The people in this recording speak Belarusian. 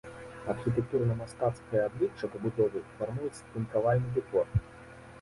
Архітэктурна-мастацкае аблічча пабудовы фармуюць тынкавальны дэкор.